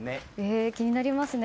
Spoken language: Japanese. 気になりますね。